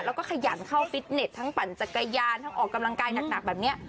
แล้วก็ขยันเข้าฟิตเน็ตทั้งปั่นจักรยานทั้งออกกำลังกายหนักแบบนี้